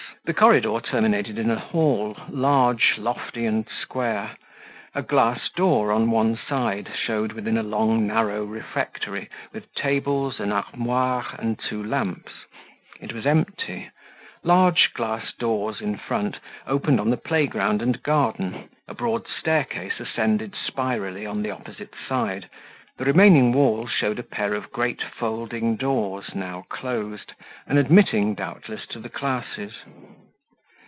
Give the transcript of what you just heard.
The corridor terminated in a hall, large, lofty, and square; a glass door on one side showed within a long narrow refectory, with tables, an armoire, and two lamps; it was empty; large glass doors, in front, opened on the playground and garden; a broad staircase ascended spirally on the opposite side; the remaining wall showed a pair of great folding doors, now closed, and admitting, doubtless, to the classes.